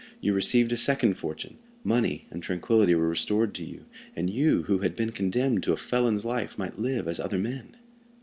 You received a second fortune, money and tranquillity were restored to you, and you, who had been condemned to a felon's life, might live as other men.